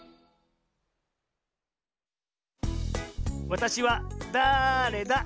「わたしはだれだ？」